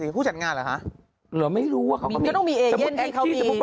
ผู้จัดงานหรอคะ